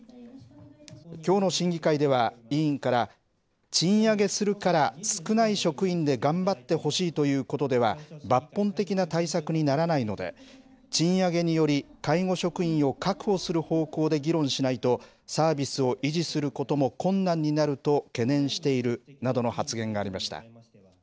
きょうの審議会では、委員から、賃上げするから少ない職員で頑張ってほしいということでは、抜本的な対策にならないので、賃上げにより介護職員を確保する方向で議論しないと、サービスを維持することも困難になると懸念しているなどの発言がありました。